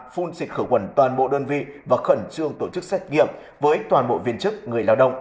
phun xịt khử khuẩn toàn bộ đơn vị và khẩn trương tổ chức xét nghiệm với toàn bộ viên chức người lao động